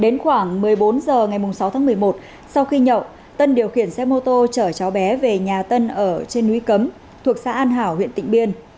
đến khoảng một mươi bốn h ngày sáu tháng một mươi một sau khi nhậu tân điều khiển xe mô tô chở cháu bé về nhà tân ở trên núi cấm thuộc xã an hảo huyện tịnh biên